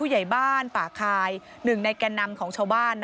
หลังจากชาวบ้าน